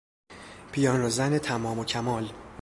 پیانو زن تمام و کمال